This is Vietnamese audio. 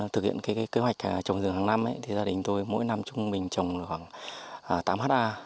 thực hiện kế hoạch trồng rừng hàng năm gia đình tôi mỗi năm trồng khoảng tám ha